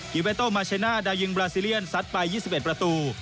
เวโตมาเชน่าดายิงบราซิเลียนซัดไป๒๑ประตู